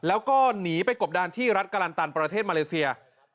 แล้วก็หนีไปกบดานที่รัฐกรันตันประเทศมาเลเซีย